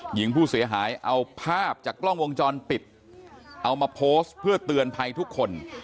หญิงผู้เสียหายเอาภาพจากกล้องวงจรปิดเอามาโพสต์เพื่อเตือนภัยทุกคน